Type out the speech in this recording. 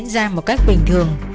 năm này vẫn diễn ra một cách bình thường